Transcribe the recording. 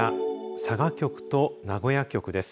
佐賀局と名古屋局です。